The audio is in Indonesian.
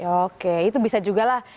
oke itu bisa juga lah